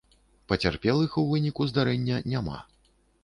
Пацярпелых у выніку здарэння няма.